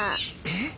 えっ？